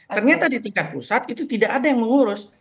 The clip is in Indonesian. ternyata di tingkat pusat itu tidak ada yang mengurus